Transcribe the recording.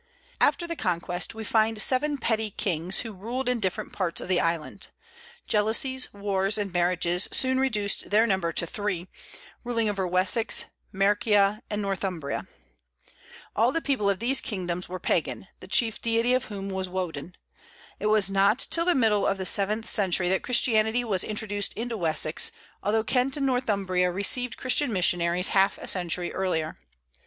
After the conquest we find seven petty kings, who ruled in different parts of the island. Jealousies, wars, and marriages soon reduced their number to three, ruling over Wessex, Mercia, and Northumbria. All the people of these kingdoms were Pagan, the chief deity of whom was Woden. It was not till the middle of the seventh century that Christianity was introduced into Wessex, although Kent and Northumbria received Christian missionaries half a century earlier.